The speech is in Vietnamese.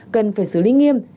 cần phải xử lý nghiêm